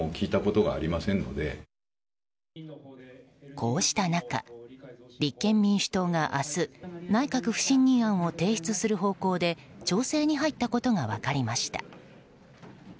こうした中、立憲民主党が明日内閣不信任案を提出する方向で調整に入ったことが分かりました。